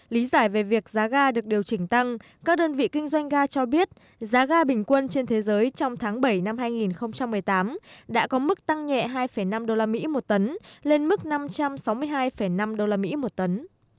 lý giải về việc giá ga được điều chỉnh tăng các đơn vị kinh doanh ga cho biết giá ga bình quân trên thế giới trong tháng bảy năm hai nghìn một mươi tám đã có mức tăng nhẹ hai năm usd một tấn lên mức năm trăm sáu mươi hai năm usd một tấn